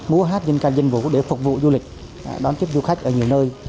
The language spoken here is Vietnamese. múa hát dân cao dân vụ để phục vụ du lịch đón chức du khách ở nhiều nơi